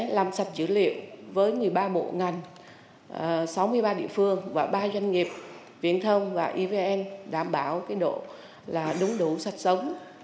làm sạch dữ liệu với một mươi ba bộ ngành sáu mươi ba địa phương và ba doanh nghiệp viễn thông và evn đảm bảo độ là đúng đủ sạch sống